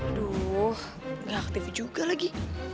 aduh gak aktif juga lagi